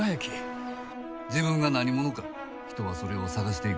自分が何者か人はそれを探していく。